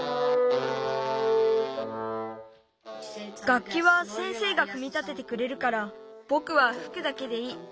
がっきは先生がくみ立ててくれるからぼくはふくだけでいい。